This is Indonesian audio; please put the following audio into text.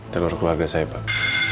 teror keluarga saya pak